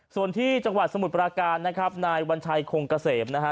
ส่วนที่จังหวัดสมุทรปราการนะครับนายวัญชัยคงเกษมนะฮะ